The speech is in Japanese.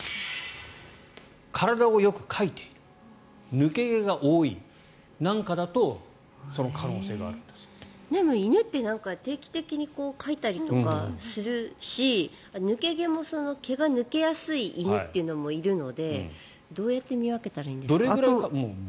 体をよくかいている抜け毛が多いなんかだとでも、犬って定期的にかいたりとかするし抜け毛も毛が抜けやすい犬もいるのでどうやって見分けたらいいんですか？